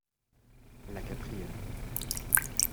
La quatrième.